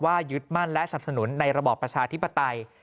ยึดมั่นและสับสนุนในระบอบประชาธิปไตย